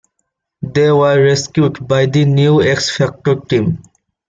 They were rescued by the new X-Factor team.